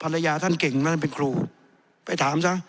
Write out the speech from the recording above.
ภรรยาท่านเก่งไหมท่านเป็นครูไปถามซะ